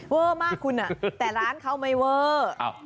เวอร์มากคุณแต่ร้านเขาไม่เวอร์